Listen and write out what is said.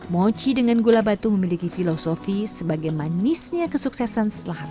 mochi dengan gula batu memiliki filosofi sebagai manisnya kesuksesan setelah